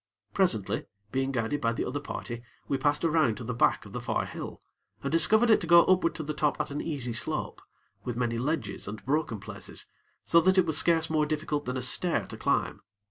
Presently, being guided by the other party, we passed around to the back of the far hill, and discovered it to go upward to the top at an easy slope, with many ledges and broken places, so that it was scarce more difficult than a stair to climb.